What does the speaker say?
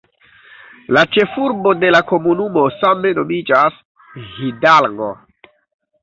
La ĉefurbo de la komunumo same nomiĝas "Hidalgo".